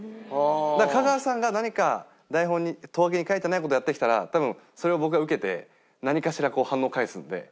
香川さんが何か台本にト書きに書いてない事をやってきたら多分それを僕が受けて何かしらこう反応を返すんで。